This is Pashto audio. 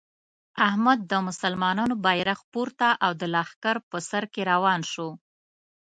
احمد د مسلمانانو بیرغ پورته او د لښکر په سر کې روان شو.